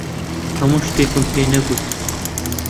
هەموو شتێکم پێ نەگوت.